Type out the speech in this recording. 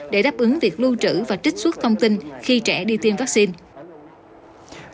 hướng việc lưu trữ và trích xuất thông tin khi trẻ đi tiêm vaccine